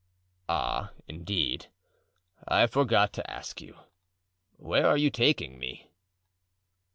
"Ah, indeed! I forgot to ask you—where are you taking me?"